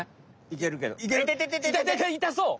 いたそう！